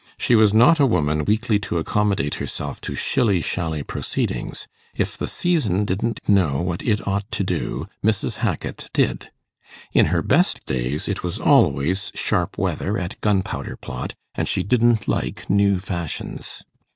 She was not a woman weakly to accommodate herself to shilly shally proceedings. If the season didn't know what it ought to do, Mrs. Hackit did. In her best days, it was always sharp weather at 'Gunpowder Plot', and she didn't like new fashions.